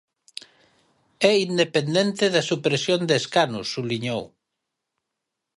"É independente da supresión de escanos", subliñou.